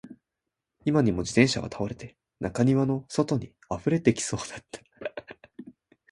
今にも自転車は倒れて、中庭の外に溢れてきそうだった